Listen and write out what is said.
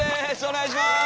お願いします！